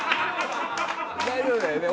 大丈夫だよね？